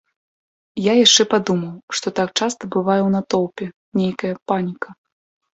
Я яшчэ падумаў, што так часта бывае ў натоўпе, нейкая паніка.